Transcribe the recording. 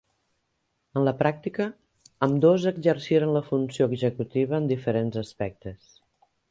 En la pràctica, ambdós exerciren la funció executiva en diferents aspectes.